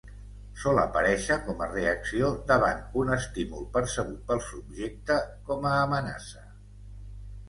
Sol aparèixer com a reacció davant un estímul percebut pel subjecte com a amenaça.